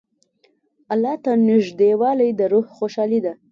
الله ته نېږدېوالی د روح خوشحالي ده.